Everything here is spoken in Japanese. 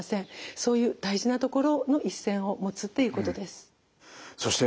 そういう大事なところの一線を持つっていうことです。